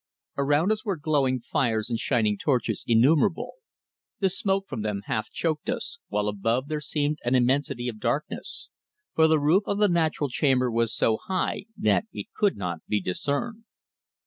Around us were glowing fires and shining torches innumerable; the smoke from them half choked us, while above there seemed an immensity of darkness, for the roof of the natural chamber was so high that it could not be discerned.